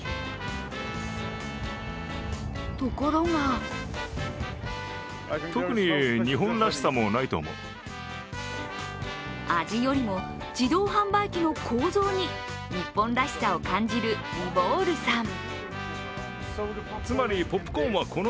ところが味よりも自動販売機の構造に日本らしさを感じるリボールさん。